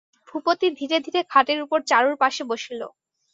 ভূপতি ধীরে ধীরে খাটের উপর চারুর পাশে বসিল।